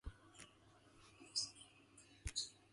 Jack Mills had severe brain damage and blows to the head.